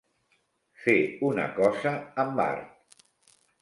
Fer una cosa amb art.